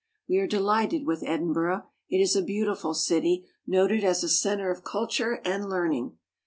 We are delighted with Ed inburgh. It is a beautiful city, noted as a center of culture and learning.